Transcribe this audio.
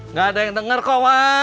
nggak ada yang denger kok